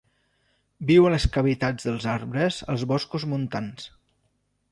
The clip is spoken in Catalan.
Viu a les cavitats dels arbres als boscos montans.